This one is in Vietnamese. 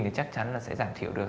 thì chắc chắn là sẽ giảm thiểu được